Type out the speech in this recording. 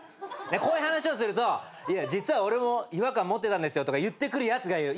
こういう話をすると実は俺も違和感持ってたんですよとか言ってくるやつがいる。